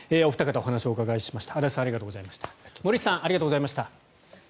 お二方にお話をお伺いしました。